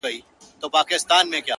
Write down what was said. • پربت باندي يې سر واچوه ـ